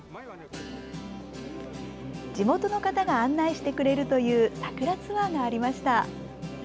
地元の方が案内してくれるという桜ツアーがありました。